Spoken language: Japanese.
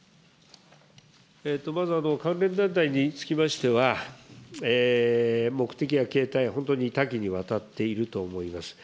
まず関連団体につきましては、目的や形態、本当に多岐にわたっていると思います。